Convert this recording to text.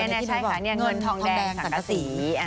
เงินทองแดงสังกษี